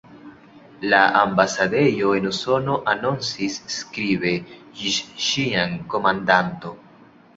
La ambasadejo en Usono anoncis skribe: "Ĝis ĉiam, Komandanto!